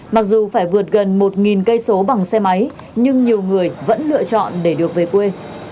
mặc dù phải vượt gần một cây số bằng xe máy nhưng nhiều người vẫn lựa chọn để được về quê